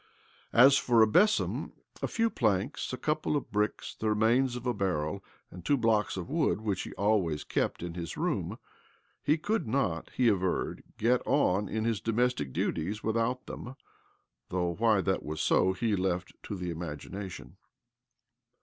As for a besom, a few planks, a couple of bricks, the remains of a barrel, and two blocks of wood which he always kept in his room, he could not, he averred, get on in his domestic duties with out them (though why that was so he left to the imagination).